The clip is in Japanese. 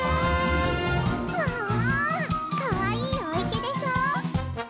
ももかわいいおいけでしょ？